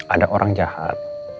ada orang jahat